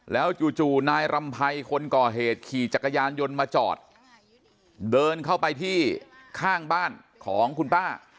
แล้วจู่นายรำไพรคนก่อเหตุขี่จักรยานยนต์มาจอดเดินเข้าไปที่ข้างบ้านของคุณป้า